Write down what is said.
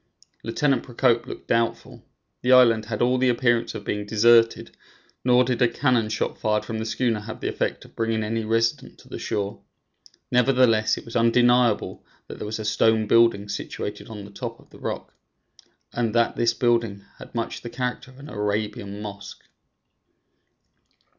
Lieutenant Procope looked doubtful. The island had all the appearance of being deserted, nor did a cannon shot fired from the schooner have the effect of bringing any resident to the shore. Nevertheless, it was undeniable that there was a stone building situated on the top of the rock, and that this building had much the character of an Arabian mosque.